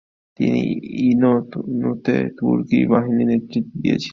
তিনি ইনোনুতে তুর্কি বাহিনীর নেতৃত্ব দিয়েছিলেন।